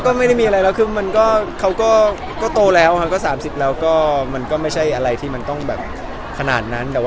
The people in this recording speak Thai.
ก็ไม่ได้มีอะไรคือเขาก็โตแล้วค่ะก็สามสิบแล้วก็มันก็ไม่ใช่อะไรที่มันต้องแบบขนาดนั้น